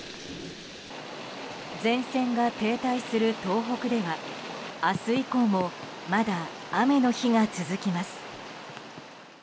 前線が停滞する東北では明日以降もまだ雨の日が続きます。